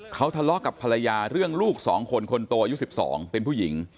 เขาทะเลาะกับภรรยาเรื่องลูก๒คนคนโตอายุ๑๒เป็นผู้หญิง